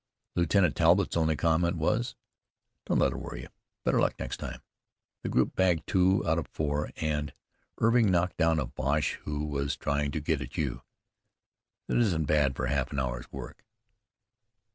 Lieutenant Talbott's only comment was: "Don't let it worry you. Better luck next time. The group bagged two out of four, and Irving knocked down a Boche who was trying to get at you. That isn't bad for half an hour's work."